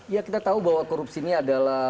ya kita tahu bahwa korupsi ini adalah